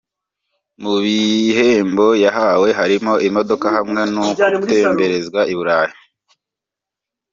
Mu bihembo yahawe harimo imodoka hamwe n’uku gutemberezwa i Burayi.